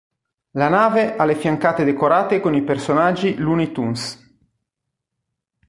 La nave ha le fiancate decorate con i personaggi Looney Tunes.